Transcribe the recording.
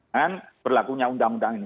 dengan berlakunya undang undang ini